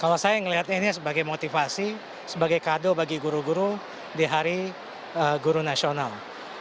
kalau saya melihatnya ini sebagai motivasi sebagai kado bagi guru guru di hari guru nasional